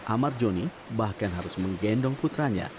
amar joni bahkan harus menggendong putranya